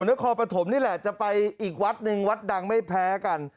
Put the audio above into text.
นครปฐมนี่แหละจะไปอีกวัดหนึ่งวัดดังไม่แพ้กัน